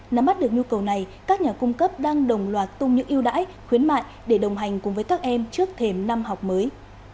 nắm bắt được nhu cầu này các nhà cung cấp đang đồng loạt tung những yêu đãi khuyến mại để đồng hành cùng với các em trước thềm năm học mới